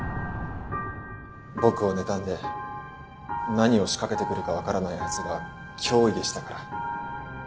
僕をねたんで何を仕掛けてくるかわからないあいつが脅威でしたから。